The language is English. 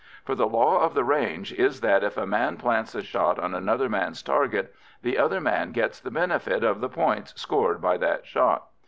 For the law of the range is that if a man plants a shot on another man's target, the other man gets the benefit of the points scored by that shot.